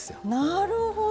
なるほど！